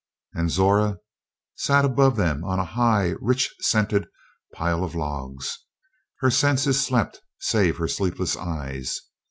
And Zora sat above them on a high rich scented pile of logs. Her senses slept save her sleepless eyes.